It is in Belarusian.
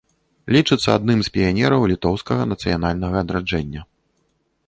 Лічыцца адным з піянераў літоўскага нацыянальнага адраджэння.